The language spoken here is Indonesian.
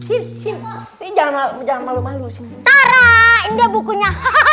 ini dia bukunya